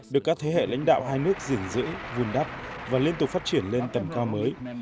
được các thế hệ lãnh đạo hai nước gìn giữ vun đắp và liên tục phát triển lên tầm cao mới